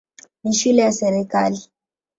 Ni shule ya serikali.